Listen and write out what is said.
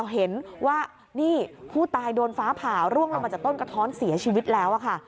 เห็นว่านี่ผู้ตายโดนฟ้าผ่าร่วงลงมาจากต้นกระท้อนเสียชีวิตแล้วค่ะ